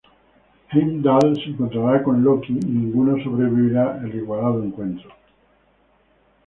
Heimdall se encontrará con Loki, y ninguno sobrevivirá el igualado encuentro.